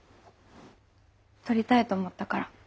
撮りたいと思ったから。